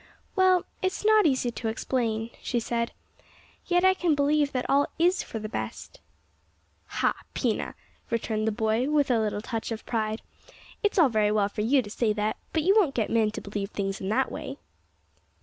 "Well, it is not easy to explain," she said, "yet I can believe that all is for the best." "Ha, Pina!" returned the boy, with a little touch of pride, "it's all very well for you to say that, but you won't get men to believe things in that way."